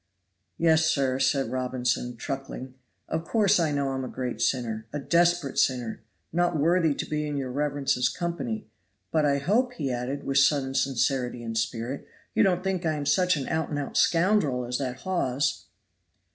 "Yes, sir," said Robinson, truckling, "of course I know I am a great sinner, a desperate sinner, not worthy to be in your reverence's company. But I hope," he added, with sudden sincerity and spirit, "you don't think I am such an out and out scoundrel as that Hawes."